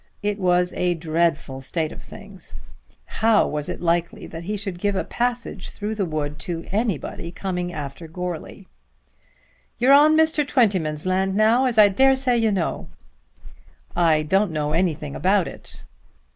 It was a dreadful state of things! How was it likely that he should give a passage through the wood to anybody coming after Goarly? "You're on Mr. Twentyman's land now, as I dare say you know." "I don't know anything about it."